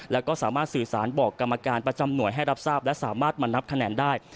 แล้วก็สามารถสื่อสารบอกกรรมการประจำหน่วยให้รับทราบและสามารถมานับคะแนนได้